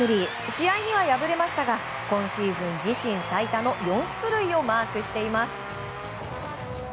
試合には敗れましたが今シーズン自身最多の４出塁をマークしています。